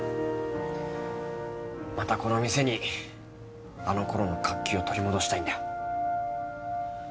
またこの店にあの頃の活気を取り戻したいんだよ